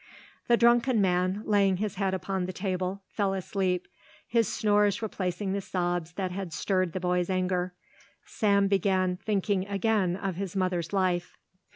The drunken man, laying his head upon the table, fell asleep, his snores replacing the sobs that had stirred the boy's anger. Sam began thinking again of his mother's life.